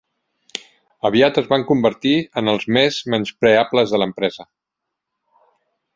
Aviat es van convertir en els més menyspreables de l'empresa.